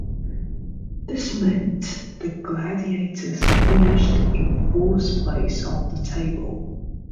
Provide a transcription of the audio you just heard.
This meant the Gladiators finished in fourth place on the table.